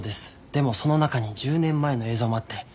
でもその中に１０年前の映像もあって。